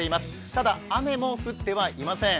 ただ雨も降ってはいません。